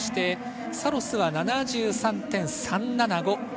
サロスは７４．３７５。